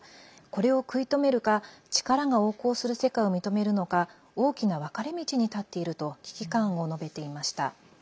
これを食い止めるか力が横行する世界を認めるのか大きな分かれ道に立っていると危機感を述べていました。